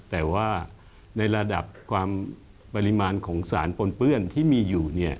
แต่ว่าในระดับความปริมาณของสารปนเปื้อนที่มีอยู่